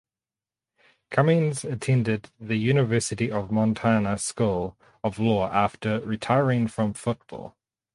Cummings attended The University of Montana School of Law after retiring from football.